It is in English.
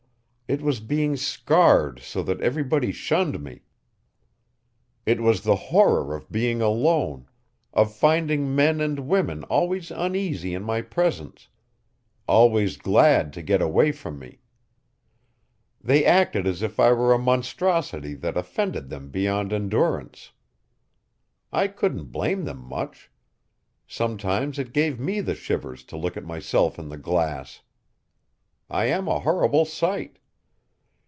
It was being scarred so that everybody shunned me. It was the horror of being alone, of finding men and women always uneasy in my presence, always glad to get away from me. They acted as if I were a monstrosity that offended them beyond endurance. I couldn't blame them much. Sometimes it gave me the shivers to look at myself in the glass. I am a horrible sight.